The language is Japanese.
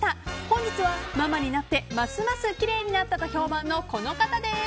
本日はママになってますますきれいになったと評判のこの方です。